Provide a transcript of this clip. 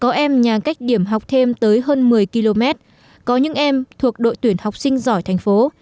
có em nhà cách điểm học thêm tới hơn một mươi km có những em thuộc đội tuyển học sinh giỏi thành phố